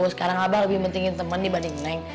sekarang abah lebih pentingin teman dibanding neng